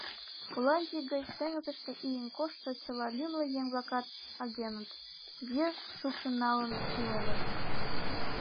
— Голландий гыч теҥызыште ийын коштшо чыла лӱмлӧ еҥ-влакат агеныт, виеш шупшын налын иленыт.